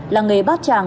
làng nghề bát tràng